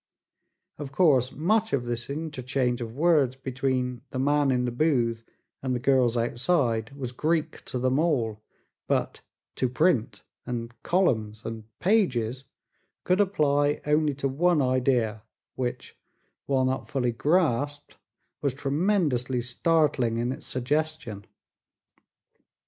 Of course much of this interchange of words between the man in the booth and the girls outside was Greek to them all, but "to print" and "columns" and "pages" could apply only to one idea, which, while not fully grasped, was tremendously startling in its suggestion.